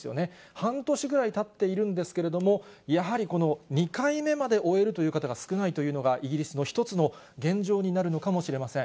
半年ぐらいたっているんですけれども、やはりこの２回目まで終えるという方が少ないというのが、イギリスの一つの現状になるのかもしれません。